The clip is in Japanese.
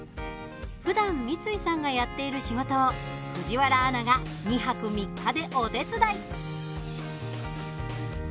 ふだん三井さんがやっている仕事を藤原アナが２泊３日でお手伝い。